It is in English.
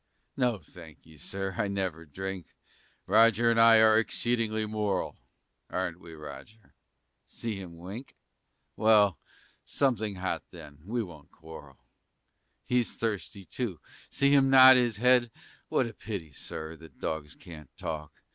No, thank ye, Sir, I never drink; Roger and I are exceedingly moral, Aren't we, Roger? See him wink! Well, something hot, then, we won't quarrel. He's thirsty, too, see him nod his head? What a pity, Sir, that dogs can't talk!